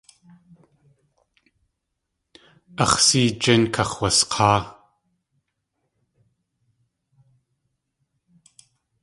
Ax̲ sée jín kax̲wsik̲áa.